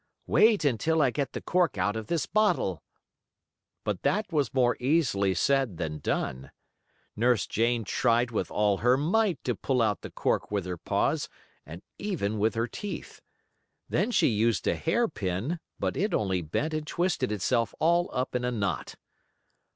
"Wait until I get the cork out of this bottle." But that was more easily said than done. Nurse Jane tried with all her might to pull out the cork with her paws and even with her teeth. Then she used a hair pin, but it only bent and twisted itself all up in a knot.